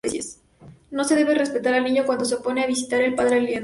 No se debe respetar al niño cuando se opone a visitar al padre alienado.